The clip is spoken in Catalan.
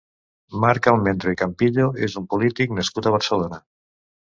Marc Almendro i Campillo és un polític nascut a Barcelona.